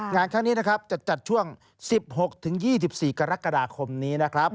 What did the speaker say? งานข้างนี้จะจัดช่วง๑๖๒๔กรกฎาคมนี้